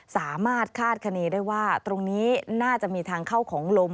สามารถคาดคณีได้ว่าตรงนี้น่าจะมีทางเข้าของลม